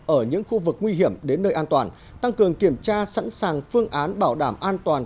ở những khu vực nguy hiểm đến nơi an toàn tăng cường kiểm tra sẵn sàng phương án bảo đảm an toàn